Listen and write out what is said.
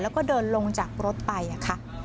แล้วก็เดินลงจากรถไปค่ะ